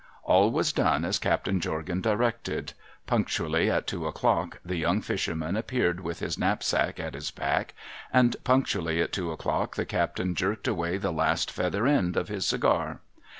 All was done as Captain Jorgan directed. Punctually at two o'clock the young fisherman appeared with his knapsack at his back ; and punctually at two o'clock the captain jerked away the last feather end of his cigar.